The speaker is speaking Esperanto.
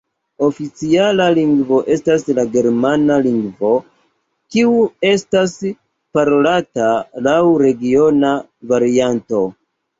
Oficiala lingvo estas la Germana lingvo, kiu estas parolata laŭ regiona varianto.